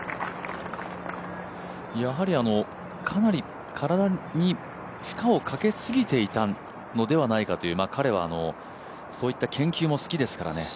かなり体に負荷をかけすぎていたのではないかという彼はそういった研究も好きですからね。